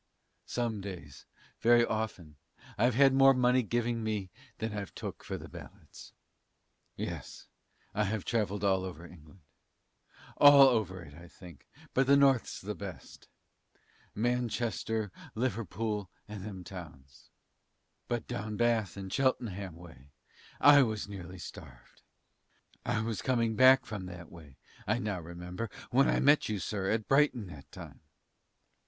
Some days very often I've had more money giving me than I've took for the ballads. Yes, I have travelled all over England all over it I think but the North's the best Manchester, Liverpool, and them towns; but down Bath and Cheltenham way I was nearly starved. I was coming back from that way, I now remember, when I met you, sir, at Brighton that time.